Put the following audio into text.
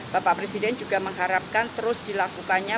bapak presiden juga mengharapkan terus dilakukannya